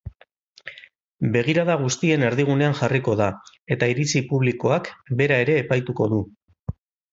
Begirada guztien erdigunean jarriko da, eta iritzi publikoak bera ere epaituko du.